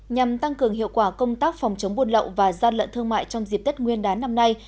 nhằm tăng cường hiệu quả công tác phòng chống buôn lậu và gian lận thương mại trong dịp tết nguyên đán năm nay